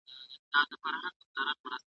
د سترګو جنګ کې سړی ژر ماته راوړينه